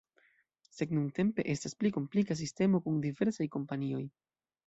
Sed nuntempe estas pli komplika sistemo kun diversaj kompanioj.